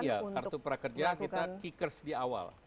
iya kartu prakerja kita kickers di awal